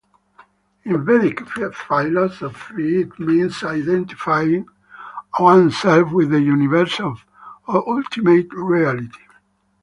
In Vedic philosophy it means identifying oneself with the universe or ultimate reality.